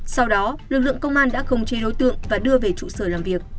sau đó lực lượng công an đã khống chế đối tượng và đưa về trụ sở làm việc